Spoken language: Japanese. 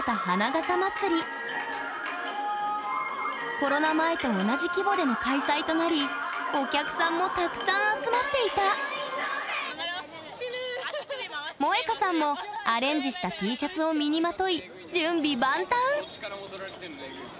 コロナ前と同じ規模での開催となりお客さんもたくさん集まっていた萌花さんもアレンジしたＴシャツを身にまとい準備万端！